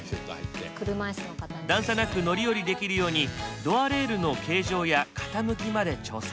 段差なく乗り降りできるようにドアレールの形状や傾きまで調整。